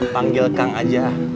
panggil kang aja